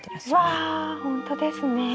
うわほんとですね。